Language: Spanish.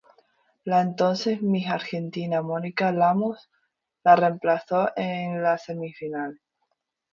La entonces Miss Argentina Mónica Lamas, la reemplazó en la semifinal.